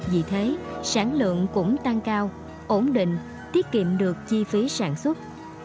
vì thế sản lượng cũng tăng cao ổn định tiết kiệm được chi phí sản xuất